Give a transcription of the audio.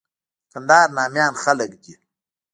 د کندهار ناميان خلک دي.